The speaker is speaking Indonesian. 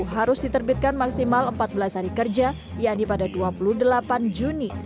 harus diterbitkan maksimal empat belas hari kerja yaitu pada dua puluh delapan juni